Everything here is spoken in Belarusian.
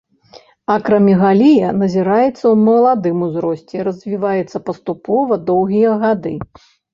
Акрамегалія назіраецца ў маладым узросце, развіваецца паступова, доўгія гады.